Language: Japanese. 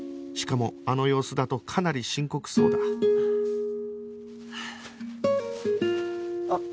しかもあの様子だとかなり深刻そうだはあ。